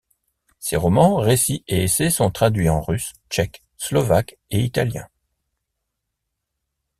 Ses romans, récit et essais sont traduits en russe, tchèque, slovaque et italien.